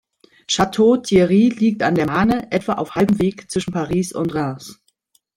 Château-Thierry liegt an der Marne, etwa auf halbem Weg zwischen Paris und Reims.